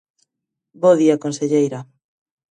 Bo día conselleira.